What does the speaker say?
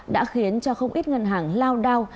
đã khiến cho không ít ngân hàng lao đao